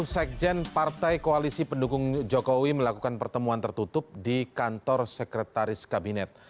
sekjen partai koalisi pendukung jokowi melakukan pertemuan tertutup di kantor sekretaris kabinet